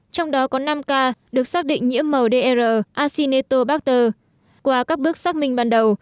trong đó có năm ca được xác định nhiễm mdr acinetobacter qua các bước xác minh ban đầu